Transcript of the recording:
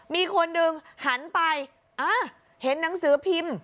มีคนหนึ่งหันไปเห็นหนังสือพิมพ์